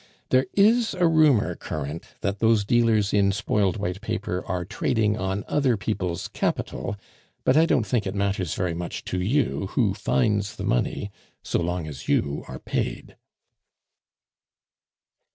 There is a rumor current that those dealers in spoiled white paper are trading on other people's capital; but I don't think it matters very much to you who finds the money, so long as you are paid."